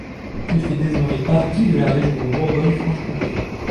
Il fait désormais partie de la région Bourgogne-Franche-Comté.